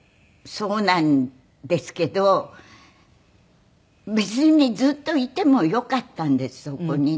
そうなんですけど別にずっといてもよかったんですそこにね。